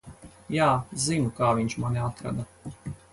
Jā, zinu, kā viņš mani atrada.